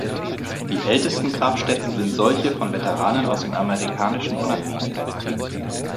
Die ältesten Grabstätten sind solche von Veteranen aus dem Amerikanischen Unabhängigkeitskrieg.